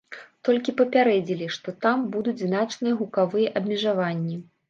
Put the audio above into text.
Толькі папярэдзілі, што там будуць значныя гукавыя абмежаванні.